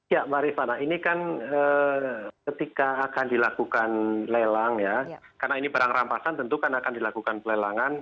ya mbak rifana ini kan ketika akan dilakukan lelang ya karena ini barang rampasan tentu kan akan dilakukan pelelangan